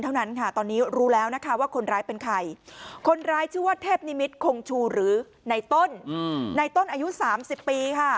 เมื่อเทพนิมิตคงชูหรือในต้นในต้นอายุสามสิบปีค่ะ